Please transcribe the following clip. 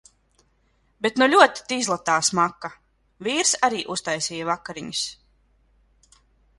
Bet nu ļoti tizla tā smaka. Vīrs arī uztaisīja vakariņas.